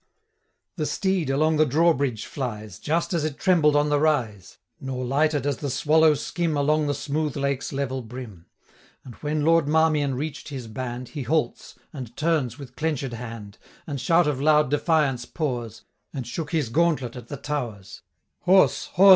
The steed along the drawbridge flies, Just as it trembled on the rise; 445 Nor lighter does the swallow skim Along the smooth lake's level brim: And when Lord Marmion reach'd his band, He halts, and turns with clenched hand, And shout of loud defiance pours, 450 And shook his gauntlet at the towers. 'Horse! horse!'